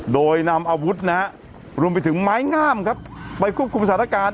โดยนำอาวุธนะฮะรวมไปถึงไม้งามครับไปควบคุมสถานการณ์